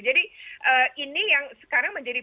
jadi ini yang sekarang menjadi